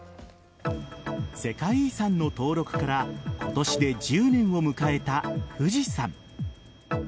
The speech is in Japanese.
世界遺産の登録から今年で１０年を迎えた富士山。